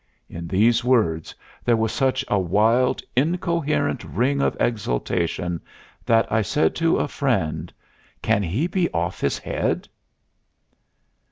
In these words there was such a wild, incoherent ring of exaltation that I said to a friend: "Can he be off his head?"